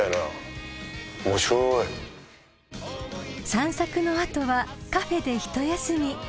［散策の後はカフェで一休み］